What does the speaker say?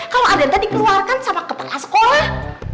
kalau aden tak dikeluarkan sama kepala sekolah